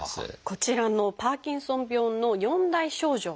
こちらのパーキンソン病の４大症状。